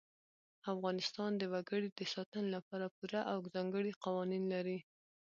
افغانستان د وګړي د ساتنې لپاره پوره او ځانګړي قوانین لري.